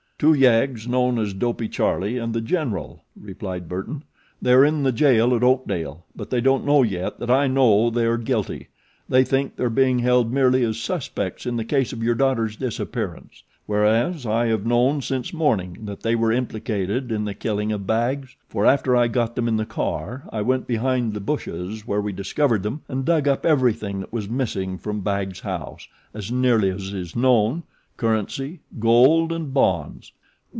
"Two yeggs known as Dopey Charlie and the General," replied Burton. "They are in the jail at Oakdale; but they don't know yet that I know they are guilty. They think they are being held merely as suspects in the case of your daughter's disappearance, whereas I have known since morning that they were implicated in the killing of Baggs; for after I got them in the car I went behind the bushes where we discovered them and dug up everything that was missing from Baggs' house, as nearly as is known currency, gold and bonds."